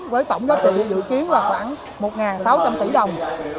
với tổng giá trị dự kiến là khoảng một sáu trăm linh tỷ đồng